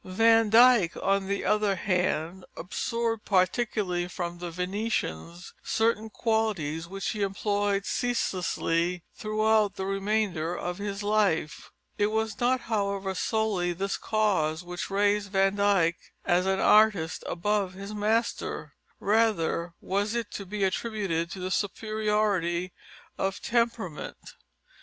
Van Dyck, on the other hand, absorbed, particularly from the Venetians, certain qualities which he employed ceaselessly throughout the remainder of his life. It was not, however, solely this cause which raised Van Dyck as an artist above his master. Rather was it to be attributed to the superiority of temperament.